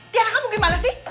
tiana kamu gimana sih